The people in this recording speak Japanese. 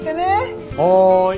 はい。